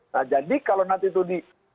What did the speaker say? nah jadi kalau nanti itu di